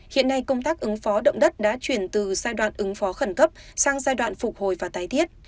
hiện nay công tác ứng phó động đất đã chuyển từ giai đoạn ứng phó khẩn cấp sang giai đoạn phục hồi và tái thiết